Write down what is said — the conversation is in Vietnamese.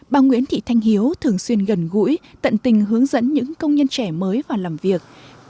bà nguyễn thị thanh hiếu thường xuyên gần gũi tận tình hướng dẫn những công nhân trẻ mới vào làm việc